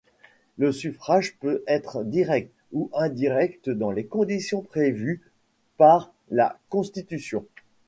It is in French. Le suffrage peut être direct ou indirect dans les conditions prévues par la Constitution.